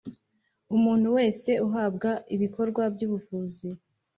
Umuntu wese uhabwa ibikorwa by ubuvuzi